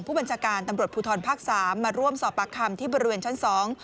ผู้บัญชาการตำรวจภูทรภาคสามมาร่วมสอบปากคำที่บริเวณชั้นสอง